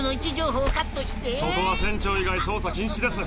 そこは船長以外操作禁止です。